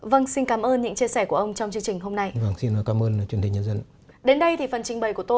vâng xin cảm ơn những chia sẻ của ông trong chương trình hôm nay